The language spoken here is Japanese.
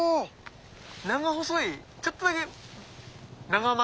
長細いちょっとだけ長丸？